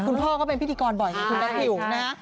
คุณพ่อก็เป็นพิธีกรบ่อยคุณแมทริวนะ